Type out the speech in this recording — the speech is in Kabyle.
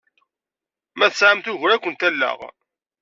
Ma tesɛamt ugur, ad kent-alleɣ.